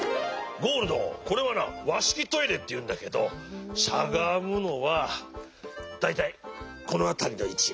ゴールドこれはなわしきトイレっていうんだけどしゃがむのはだいたいこのあたりのいち。